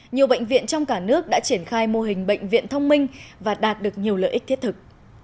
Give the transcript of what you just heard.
nhiều bệnh viện trong cả nước đã triển khai mô hình bệnh viện thông minh và đạt được nhiều lợi ích thiết thực